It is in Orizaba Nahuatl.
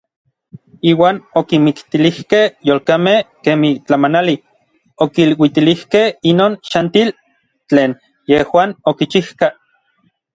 Iuan okimiktilijkej yolkamej kemij tlamanali, okiluitilijkej inon xantil tlen yejuan okichijkaj.